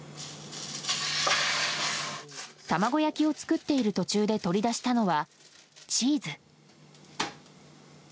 卵焼きを作っている途中で取り出したのはチーズ。